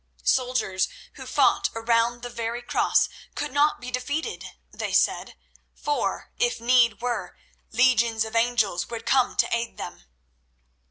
Soldiers who fought around the very Cross could not be defeated, they said, for, if need were, legions of angels would come to aid them.